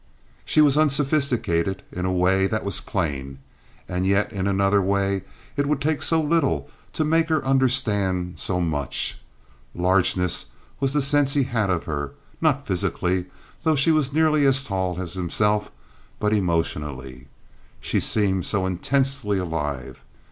She was unsophisticated, in a way, that was plain, and yet in another way it would take so little to make her understand so much. Largeness was the sense he had of her—not physically, though she was nearly as tall as himself—but emotionally. She seemed so intensely alive.